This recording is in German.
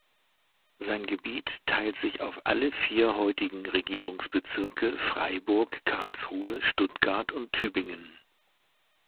Sein Gebiet teilt sich auf alle vier heutigen Regierungsbezirke Freiburg, Karlsruhe, Stuttgart und Tübingen.